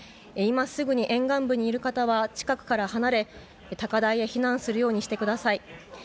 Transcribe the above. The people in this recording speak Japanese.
今すぐに沿岸部にいる方は近くから離れ高台へ避難するようにしてください。